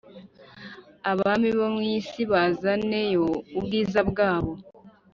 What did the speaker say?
abami bo mu si bazaneyo ubwiza bwabo.